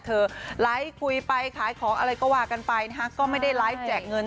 ไลฟ์คุยไปขายของอะไรก็ว่ากันไปนะฮะก็ไม่ได้ไลฟ์แจกเงิน